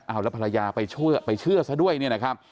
เอาแล้วภรรยาไปเชื่อซะด้วยเนี่ยนะครับ